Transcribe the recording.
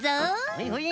はいはい。